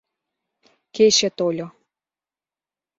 Кече тольо.